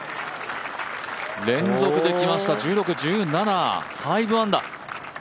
連続できました１６、１７５アンダー。